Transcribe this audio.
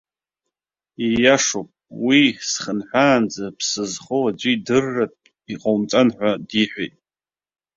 Ииашоуп, уи схынҳәаанӡа ԥсы зхоу аӡәы идырыртә иҟоумҵан ҳәа диҳәеит.